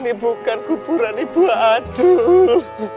ini bukan kuburan ibu adu